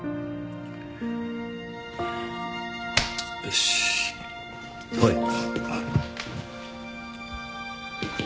よし来い。